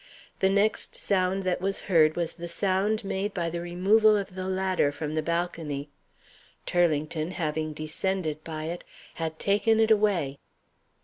The next sound that was heard was the sound made by the removal of the ladder from the balcony. Turlington, having descended by it, had taken it away.